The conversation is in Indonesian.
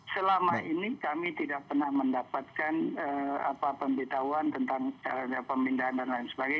selama ini kami tidak pernah mendapatkan pemberitahuan tentang pemindahan dan lain sebagainya